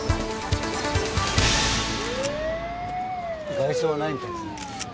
外傷はないみたいですね。